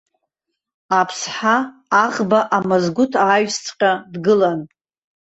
Аԥсҳа аӷба амазгәыҭ ааҩсҵәҟьа дгылан.